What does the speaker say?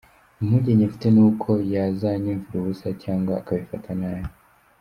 Impungenge mfite ni uko yazanyumvira ubusa cyangwa akabifata nabi.